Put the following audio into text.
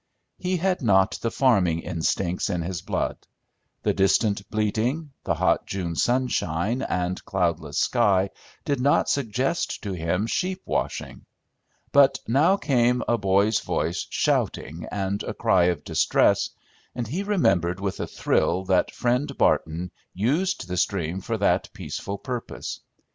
He had not the farming instincts in his blood; the distant bleating, the hot June sunshine and cloudless sky did not suggest to him sheep washing; but now came a boy's voice shouting and a cry of distress, and he remembered with a thrill that Friend Barton used the stream for that peaceful purpose.